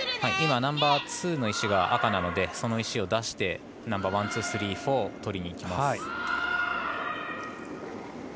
今、ナンバーツーの石が赤なのでその石を出して、ナンバーワンツー、スリー、フォーをとりにいきます。